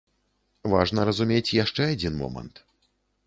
Важна разумець яшчэ адзін момант.